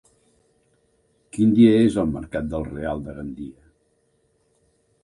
Quin dia és el mercat del Real de Gandia?